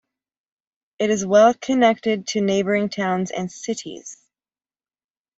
It is well connected to neighbouring towns and cities.